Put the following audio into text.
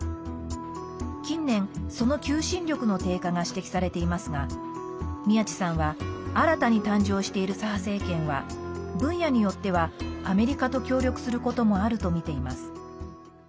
近年、その求心力の低下が指摘されていますが宮地さんは新たに誕生している左派政権は分野によっては、アメリカと協力することもあるとみています。